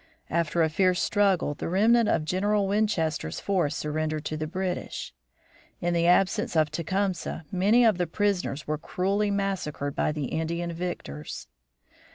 After a fierce struggle the remnant of General Winchester's force surrendered to the British. In the absence of Tecumseh many of the prisoners were cruelly massacred by the Indian victors.